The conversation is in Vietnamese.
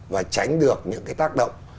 và tránh được những cái tác động